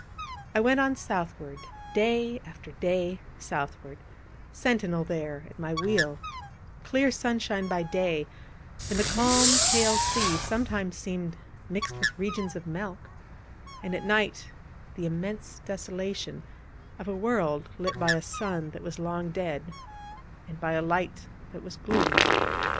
I went on southward, day after day southward, sentinel there at my wheel; clear sunshine by day, when the calm pale sea sometimes seemed mixed with regions of milk, and at night the immense desolation of a world lit by a sun that was long dead, and by a light that was gloom.